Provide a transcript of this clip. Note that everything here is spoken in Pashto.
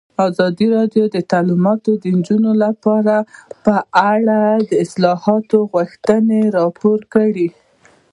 ازادي راډیو د تعلیمات د نجونو لپاره په اړه د اصلاحاتو غوښتنې راپور کړې.